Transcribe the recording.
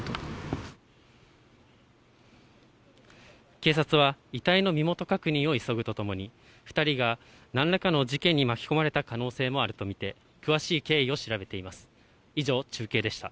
警察は遺体の身元確認を急ぐとともに、２人がなんらかの事件に巻き込まれた可能性もあると見て、詳しい経緯を調べています。